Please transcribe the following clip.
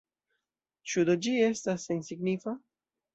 Ĉu do ĝi estas sensignifa?